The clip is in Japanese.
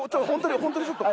本当にちょっと。